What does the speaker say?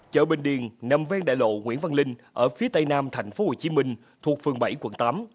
chợ bình điền nằm ven đại lộ nguyễn văn linh ở phía tây nam tp hcm thuộc phường bảy quận tám